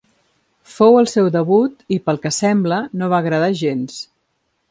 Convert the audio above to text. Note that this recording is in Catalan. Fou el seu debut i, pel que sembla, no va agradar gens.